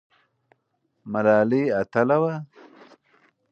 ملالۍ اتله وه؟